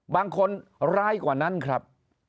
บางคนร้ายกว่านั้นครับ